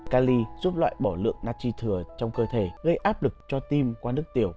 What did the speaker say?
cali giúp loại bỏ lượng nati thừa trong cơ thể gây áp lực cho tim qua nước tiểu